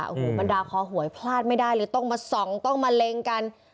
โอ้โหบรรดาคอหวยพลาดไม่ได้เลยต้องมาส่องต้องมาเล็งกัน